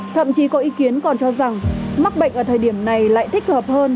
thậm chí có ý kiến còn cho rằng mắc bệnh ở thời điểm này lại thích hợp hơn